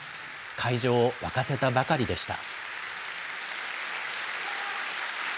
会場を沸かせたばかりでした。